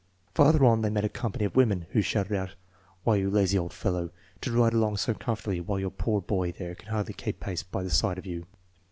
Farther on they met a company of women, who shouted out: "Why, you lazy old fellow, to ride along so comfortably while your poor boy there can hardly keep pace by the side of you